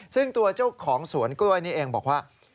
ซึ่งตัวเจ้าของสวนกล้วยนี้เองบอกว่า